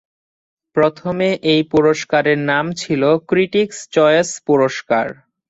প্রথমে এই পুরস্কারের নাম ছিল "ক্রিটিকস চয়েস পুরস্কার"।